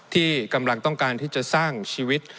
ที่กำลังต้องการที่จะสร้างชีวิต